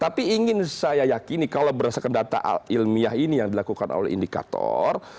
tapi ingin saya yakini kalau berdasarkan data ilmiah ini yang dilakukan oleh indikator